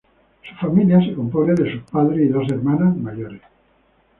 Su familia se compone de sus padres y dos hermanas mayores.